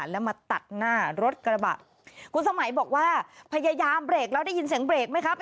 แล้วมาตัดหน้ารถกระบะคุณสมัยบอกว่าพยายามเบรกแล้วได้ยินเสียงเบรกไหมครับ